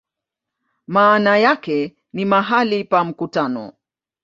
Maana yake ni "mahali pa mkutano".